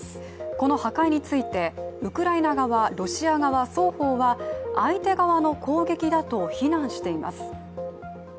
この破壊について、ウクライナ側、ロシア側双方は相手側の攻撃だと非難しています。